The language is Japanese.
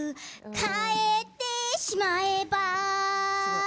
「変えてしまえば」